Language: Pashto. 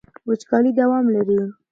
وچکالي دوام لري.